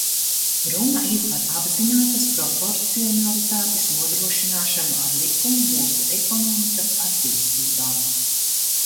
Runa ir par apzinātas proporcionalitātes nodrošināšanu ar likumu mūsu ekonomikas attīstībā.